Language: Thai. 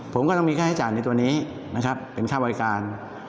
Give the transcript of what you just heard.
ผมก็ต้องมีค่าใช้จ่ายในตัวนี้นะครับเป็นค่าบริการ